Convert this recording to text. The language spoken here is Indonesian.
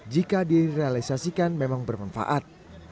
jika direalisasikan memang bermanfaat